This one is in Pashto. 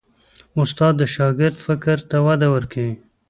استاد د شاګرد فکر ته وده ورکوي.